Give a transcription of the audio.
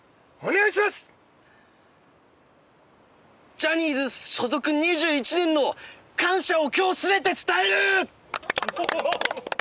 ジャニーズ所属２１年の感謝を今日全て伝える！